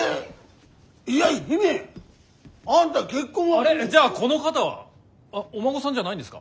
あれじゃあこの方は？お孫さんじゃないんですか？